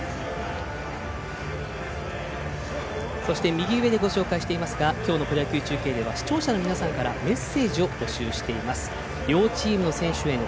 右上でご紹介していますが今日のプロ野球中継では視聴者の皆さんからメッセージを募集しています。